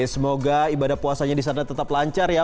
semoga ibadah puasanya di sana tetap lancar ya